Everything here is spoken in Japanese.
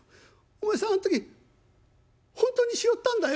お前さんあん時本当に拾ったんだよ」。